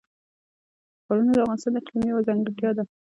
ښارونه د افغانستان د اقلیم یوه ځانګړتیا ده.